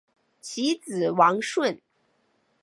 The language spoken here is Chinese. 其子王舜。